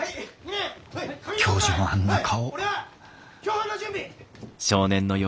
教授のあんな顔。